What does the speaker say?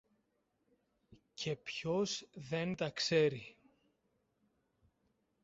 Και ποιος δεν τα ξέρει!